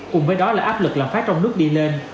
cùng với đó là áp lực lạm phát trong nước đi lên